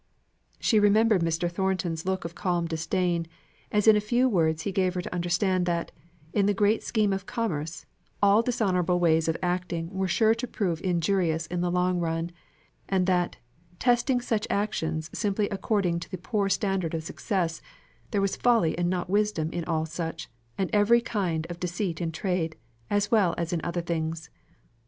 She remembered Mr. Thornton's look of calm disdain, as in few words he gave her to understand that, in the great scheme of commerce, all dishonourable ways of acting were sure to prove injurious in the long run, and that, testing such actions simply according to the poor standard of success, there was folly and not wisdom in all such, and every kind of deceit in trade, as well as in other things.